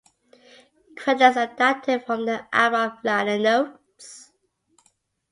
Credits adapted from the album liner notes.